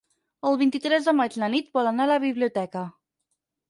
El vint-i-tres de maig na Nit vol anar a la biblioteca.